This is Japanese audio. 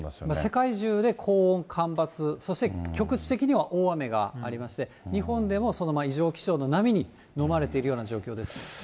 世界中で高温、干ばつ、そして局地的には大雨がありまして、日本でもその異常気象の波に飲まれているような状況です。